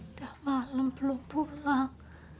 udah malem belum pulang